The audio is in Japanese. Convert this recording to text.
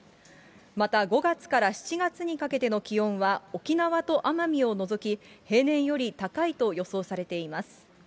また５月から７月にかけての気温は、沖縄と奄美を除き、平年より高いと予想されています。